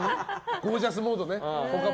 ゴージャスモードね。